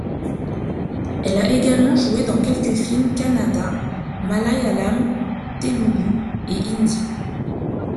Elle a également joué dans quelques films kannada, malayalam, telougou et hindi.